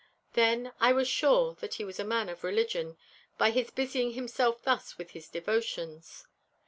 Then was I sure that he was a man of religion, by his busying himself thus with his devotions.